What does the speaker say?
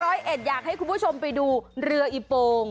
เอ็ดอยากให้คุณผู้ชมไปดูเรืออีโปง